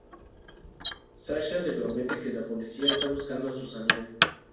Sasha le promete que la policía está buscando a sus amigas.